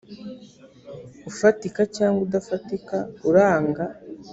ufatika cyangwa udafatika uranga